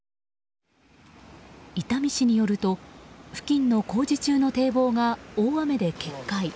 伊丹市によると付近の工事中の堤防が大雨で決壊。